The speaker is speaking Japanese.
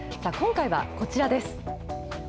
今回はこちらです。